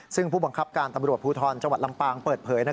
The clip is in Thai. ซึ่งผู้บังคับการตำรวจภูทรจังหวัดลำปางเปิดเผย